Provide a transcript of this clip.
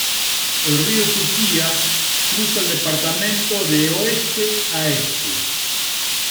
El río Suquía cruza el departamento, de oeste a este.